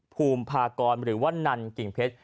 ภูมิพากรหรือว่านันกิ่งเพชร